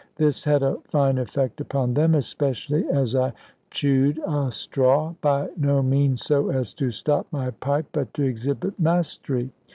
This had a fine effect upon them, especially as I chewed a straw, by no means so as to stop my pipe, but to exhibit mastery.